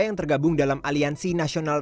yang tergabung dalam aliansi nasional